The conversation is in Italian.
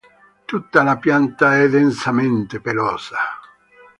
Tutta la pianta è densamente pelosa.